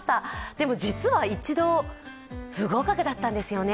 でも実は１度不合格だったんですよね。